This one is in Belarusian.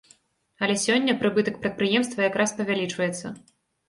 Але сёння, прыбытак прадпрыемства якраз павялічваецца.